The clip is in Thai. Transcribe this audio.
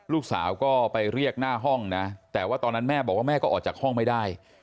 ลูกสาวก็ไปเรียกหน้าห้องนะแต่ว่าตอนนั้นแม่บอกว่าแม่ก็ออกจากห้องไม่ได้